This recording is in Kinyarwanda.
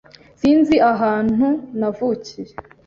Sinzi ahantu navukiye.